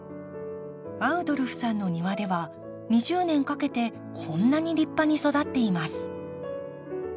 アウドルフさんの庭では２０年かけてこんなに立派に育っています。